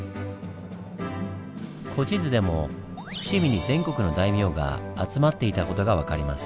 古地図でも伏見に全国の大名が集まっていた事が分かります。